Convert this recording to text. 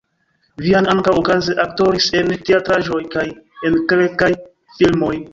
Vian ankaŭ okaze aktoris en teatraĵoj kaj en kelkaj filmoj.